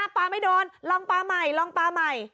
ปลาไม่โดนลองปลาใหม่ลองปลาใหม่